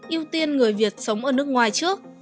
ưu tiên người việt sống ở nước ngoài trước